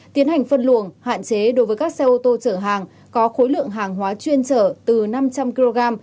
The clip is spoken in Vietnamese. tiến hành phân luồng hạn chế đối với các xe ô tô chở hàng có khối lượng hàng hóa chuyên trở từ năm trăm linh kg